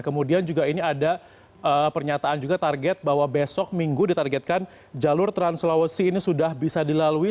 kemudian juga ini ada pernyataan juga target bahwa besok minggu ditargetkan jalur trans sulawesi ini sudah bisa dilalui